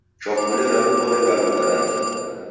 Chwakule rapo reghaluka rangi.